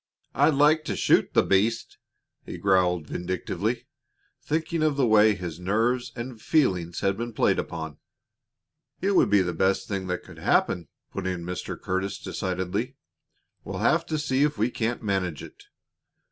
"I'd like to shoot the beast!" he growled vindictively, thinking of the way his nerves and feelings had been played upon. "It would be the best thing that could happen," put in Mr. Curtis, decidedly. "We'll have to see if we can't manage it.